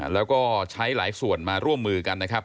แล้วก็ใช้หลายส่วนมาร่วมมือกันนะครับ